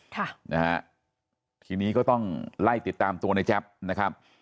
ค่ะนะฮะทีนี้ก็ต้องไล่ติดตามตัวในแจ๊บนะครับ